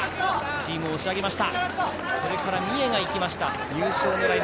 チームを押し上げました。